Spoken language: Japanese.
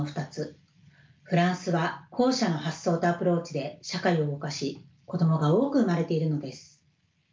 フランスは後者の発想とアプローチで社会を動かし子どもが多く生まれているのです。